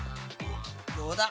どうだ？